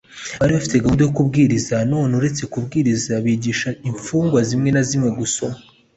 Bari bafite gahunda yo kubwiriza nanone uretse kubwiriza bigishaga imfungwa zimwe na zimwe gusoma